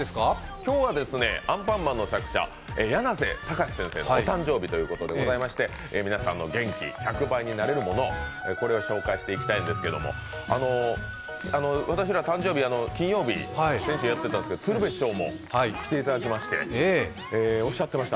今日は、「アンパンマン」の作者、やなせたかしさんの誕生日ということで、皆さんの元気１００倍になれるものを紹介していきたいんですけども、あの私ら誕生日、金曜日先週やったんですけど鶴瓶師匠も来ていただきましておっしゃっていました。